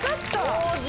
上手！